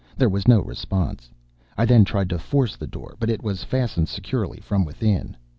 There was no response. I then tried to force the door, but it was fastened securely from within.